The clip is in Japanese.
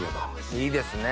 いいですね。